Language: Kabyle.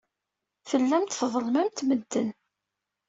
Tellamt tḍellmemt medden.